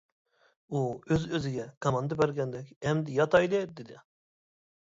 ئۇ ئۆز-ئۆزىگە كاماندا بەرگەندەك: «ئەمدى ياتايلى. » دېدى.